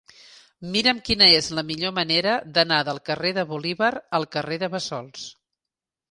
Mira'm quina és la millor manera d'anar del carrer de Bolívar al carrer de Bassols.